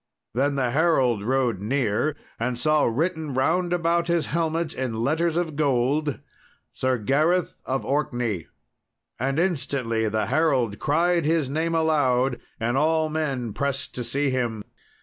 Then the herald rode near, and saw written round about his helmet in letters of gold, "Sir Gareth of Orkney." And instantly the herald cried his name aloud, and all men pressed to see him.